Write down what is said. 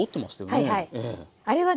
はいはい。